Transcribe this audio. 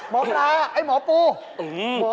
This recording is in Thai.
เกิดอะไรขึ้น